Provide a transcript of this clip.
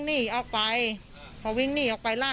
จนกระทั่งหลานชายที่ชื่อสิทธิชัยมั่นคงอายุ๒๙เนี่ยรู้ว่าแม่กลับบ้าน